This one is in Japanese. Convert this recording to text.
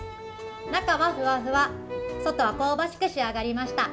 中はふわふわ、外は香ばしく仕上がりました。